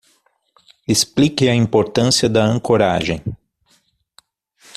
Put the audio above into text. Explique a importância da ancoragem